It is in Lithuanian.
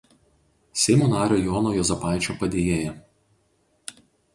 Seimo nario Jono Juozapaičio padėjėja.